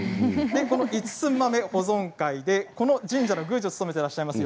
この一寸豆保存会でこの神社の宮司を務めていらっしゃいます